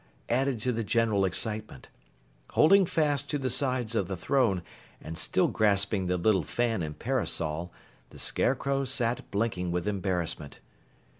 added to the general excitement. Holding fast to the sides of the throne and still grasping the little fan and parasol, the Scarecrow sat blinking with embarrassment.